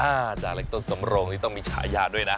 อ้าวจาเล็กต้นสำรงค์นี่ต้องมีฉายาดด้วยนะ